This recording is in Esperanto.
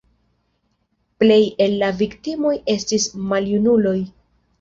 Plej el la viktimoj estis maljunuloj.